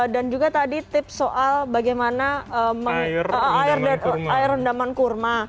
dan juga tadi tips soal bagaimana air rendaman kurma